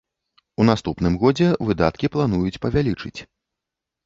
У наступным годзе выдаткі плануюць павялічыць.